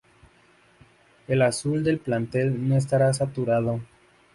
El azul del papel no estará saturado.